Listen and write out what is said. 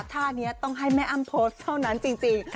ท่านี้ต้องให้แม่อ้ำโพสต์เท่านั้นจริง